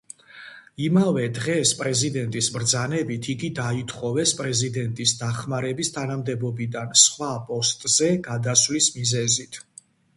იმავე დღეს, პრეზიდენტის ბრძანებით, იგი დაითხოვეს პრეზიდენტის დამხმარის თანამდებობიდან სხვა პოსტზე გადასვლის მიზეზით.